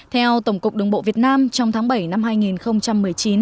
theo tổng cục đường bộ việt nam trong tháng bảy năm hai nghìn một mươi chín